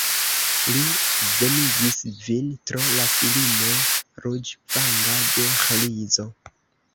Li venigis vin pro la filino ruĝvanga de Ĥrizo.